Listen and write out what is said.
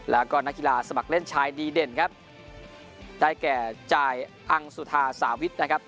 แล้วก็นักกีฬาสมัครเล่นชายดีเด่นครับได้แก่จ่ายอังสุธาสาวิทนะครับ